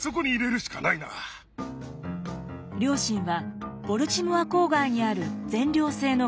両親はボルチモア郊外にある全寮制の学校